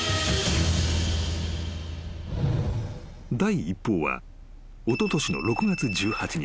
［第一報はおととしの６月１８日］